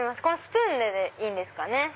このスプーンでいいんですかね。